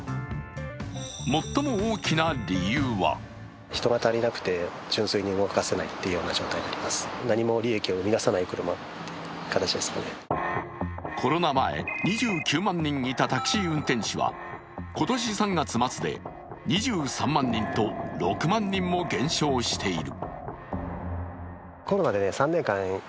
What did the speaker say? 最も大きな理由はコロナ前、２９万人いたタクシー運転手は今年３月末で２３万人と６万人も減少している。